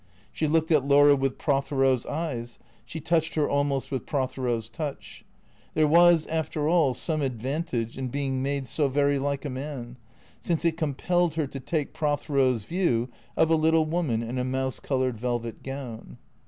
She looked at Laura with Prothero's eyes, she touched her almost with Prothero's touch. There was, after all, some advantage in being made so very like a man, since it compelled her to take Pro thero's view of a little woman in a mouse coloured velvet gown.